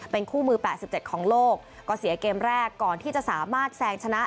เป็นคู่มือแปดสิบเจ็ดของโลกก็เสียเกมแรกก่อนที่จะสามารถแซงชนะ